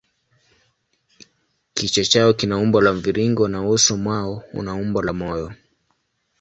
Kichwa chao kina umbo la mviringo na uso mwao una umbo la moyo.